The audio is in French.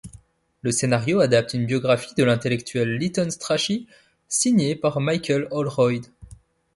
Le scénario adapte une biographie de l'intellectuel Lytton Strachey signée par Michael Holroyd.